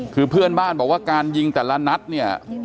คือเพื่อนบ้านบอกว่าการยิงแต่ละนัดเนี่ย